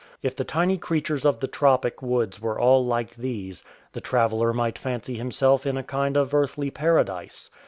If the tiny creatures of the tropic w^oods were all like these, the traveller might fancy him self in a kind of Earthly Paradise.